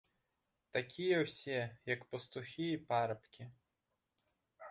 Такія ўсе, як пастухі і парабкі!